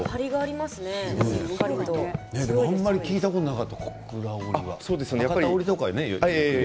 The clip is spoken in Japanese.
あまり聞いたことなかった小倉織って。